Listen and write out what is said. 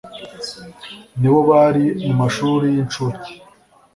nibo bari mumashuri y'inshuke